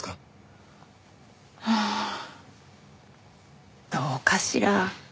ああどうかしら？